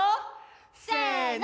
せの！